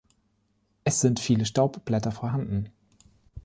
Es sind viele Staubblätter vorhanden.